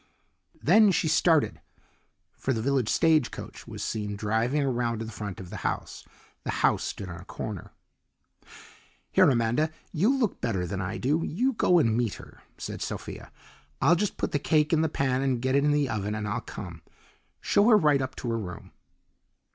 Then she started, for the village stagecoach was seen driving around to the front of the house. The house stood on a corner. "Here, Amanda, you look better than I do; you go and meet her," said Sophia. "I'll just put the cake in the pan and get it in the oven and I'll come. Show her right up to her room."